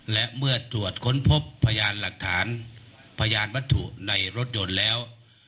และเมื่อตรวจค้นพบพยานหลักฐานพยานวัตถุในรถยนต์แล้ว